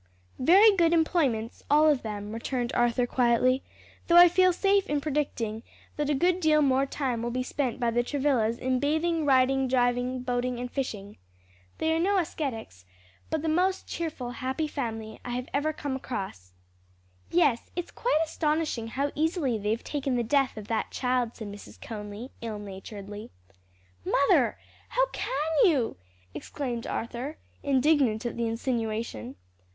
"Very good employments, all of them," returned Arthur quietly, "though I feel safe in predicting that a good deal more time will be spent by the Travillas in bathing, riding, driving, boating and fishing. They are no ascetics, but the most cheerful, happy family I have ever come across." "Yes, it's quite astonishing how easily they've taken the death of that child," said Mrs. Conly, ill naturedly. "Mother, how can you!" exclaimed Arthur, indignant at the insinuation.